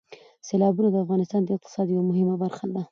سیلابونه د افغانستان د اقتصاد یوه مهمه برخه ده.